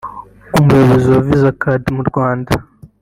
umuyobozi wa Visa card mu Rwanda